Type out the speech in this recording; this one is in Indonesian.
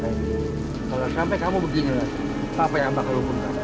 kalau gak sampai kamu begini papa yang bakal lupakan